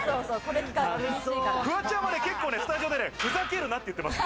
フワちゃんはね、結構スタジオでね、ふざけるな！って言ってます。